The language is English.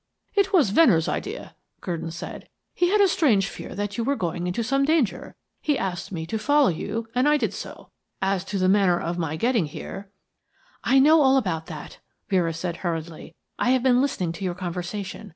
"It was Venner's idea," Gurdon said. "He had a strange fear that you were going into some danger. He asked me to follow you, and I did so. As to the manner of my getting here " "I know all about that," Vera said hurriedly. "I have been listening to your conversation.